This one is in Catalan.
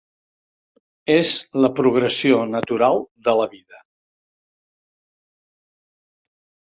És la progressió natural de la vida.